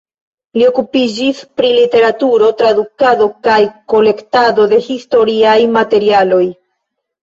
Li okupiĝis pri literaturo, tradukado kaj kolektado de historiaj materialoj.